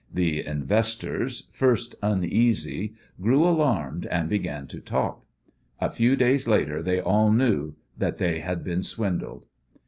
The "investors," first uneasy, grew alarmed, and began to talk. A few days later they all knew that they had been swindled.